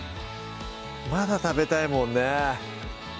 まだ食べたいもんね